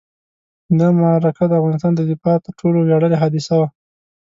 دا معرکه د افغانستان د دفاع تر ټولو ویاړلې حادثه وه.